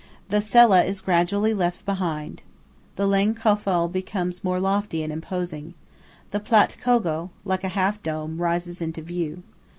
The Sella is gradually left behind. The Lang Kofel becomes more lofty and imposing. The Platt Kogel, like a half dome, rises into view.